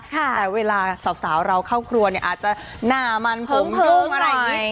แต่เวลาสาวเราเข้าครัวเนี่ยอาจจะหน้ามันพรุ่งอะไรอย่างนี้